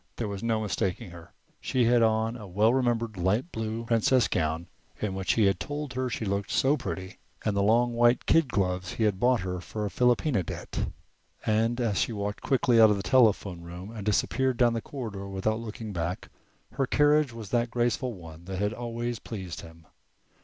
There was no mistaking her. She had on the well remembered light blue princess gown in which he had told her she looked so pretty, and the long white kid gloves he had bought her for a philopena debt. And as she walked quickly out of the telephone room and disappeared down the corridor without looking back, her carriage was that graceful one that had always pleased him.